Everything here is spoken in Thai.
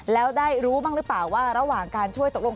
แล้วได้รู้บ้างหรือเปล่าว่าระหว่างการช่วยตกลง